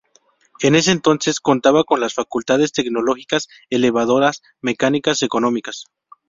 En ese entonces contaba con las facultades tecnológicas, elevadoras, mecánicas, económicas.